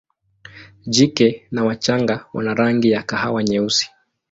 Jike na wachanga wana rangi ya kahawa nyeusi.